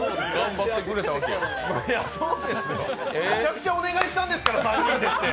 めちゃくちゃお願いしたんですから、３人でって！